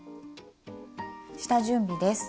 下準備です。